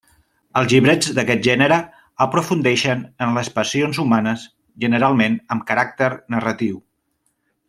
Els llibrets d'aquest gènere aprofundeixen en les passions humanes, generalment amb caràcter narratiu.